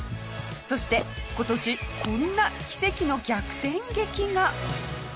そして今年こんな奇跡の逆転劇が！